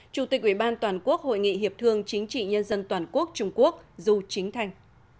chủ tịch ủy ban toàn quốc hội nghị hiệp thương chính trị nhân dân toàn quốc trung quốc du chính thành